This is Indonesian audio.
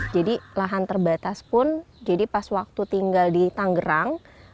jadi lahan terbatas pun jadi pas waktu tinggal di tangerang